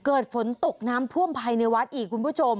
เกิดฝนตกน้ำท่วมภายในวัดอีกคุณผู้ชม